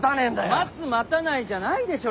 待つ待たないじゃないでしょ